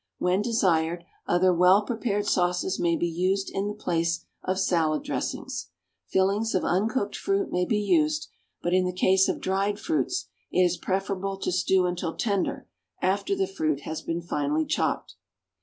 When desired, other well prepared sauces may be used in the place of salad dressings. Fillings of uncooked fruit may be used; but, in the case of dried fruits, it is preferable to stew until tender, after the fruit has been finely chopped.